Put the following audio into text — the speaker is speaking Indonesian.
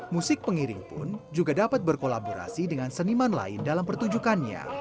musik pengiring pun juga dapat berkolaborasi dengan seniman lain dalam pertunjukannya